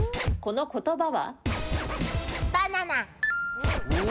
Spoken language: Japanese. この言葉は？